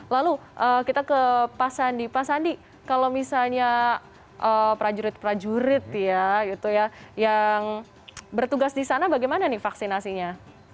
lalu kita ke pak sandi pak sandi kalau misalnya prajurit prajurit ya gitu ya yang bertugas di sana bagaimana nih vaksinasinya